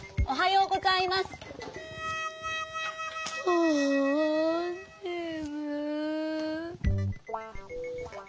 おはよう。